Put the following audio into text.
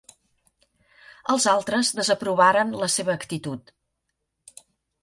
Els altres desaprovaren la seva actitud.